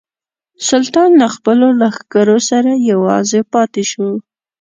سلطان له خپلو لښکرو سره یوازې پاته شو.